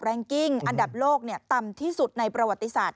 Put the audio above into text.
กิ้งอันดับโลกต่ำที่สุดในประวัติศาสต